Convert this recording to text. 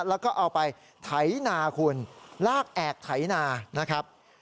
แล้วก็เอาไปไถนาคุณลากแอกไถนานะครับ